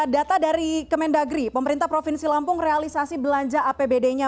data dari kemendagri pemerintah provinsi lampung realisasi belanja apbd nya